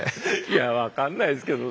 いや分かんないですけど。